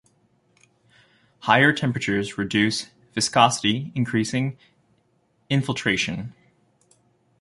Higher temperatures reduce viscosity, increasing infiltration.